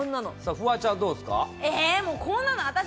フワちゃん、どうですか？